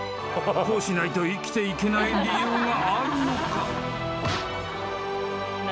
［こうしないと生きていけない理由があるのか？］